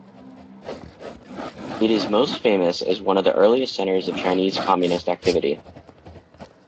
It is most famous as one of the earliest centers of Chinese communist activity.